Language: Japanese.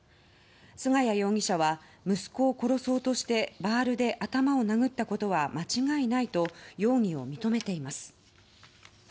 菅谷容疑者は息子を殺そうとしてバールで頭を殴ったことは間違いないと容疑を認めています。